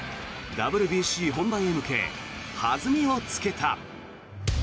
ＷＢＣ本番へ向け弾みをつけた。